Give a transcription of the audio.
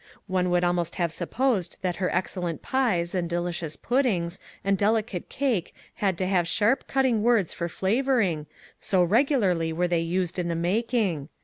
One would almost have supposed that her excellent pies, and delicious puddings, and delicate cake had to have sharp, cutting words for flavoring, so regularly were they used in the making.